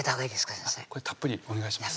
先生たっぷりお願いします